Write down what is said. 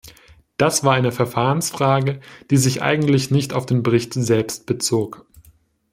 Das war eine Verfahrensfrage, die sich eigentlich nicht auf den Bericht selbst bezog.